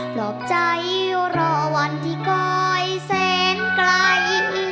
ปลอบใจรอวันที่คอยแสนไกล